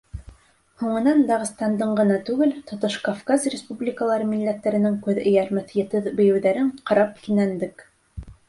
Һуңынан Дағстандың ғына түгел, тотош Кавказ республикалары милләттәренең күҙ эйәрмәҫ етеҙ бейеүҙәрен ҡарап кинәндек.